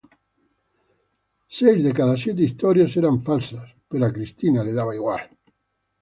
Seis de cada siete historias eran falsas, pero a Cristina le daba igual.